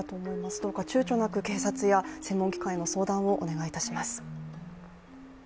どうかちゅうちょなく警察や専門機関への相談をお願いいたします。